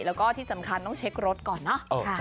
แล้วก็ที่สำคัญต้องเช็ครถก่อนเนอะ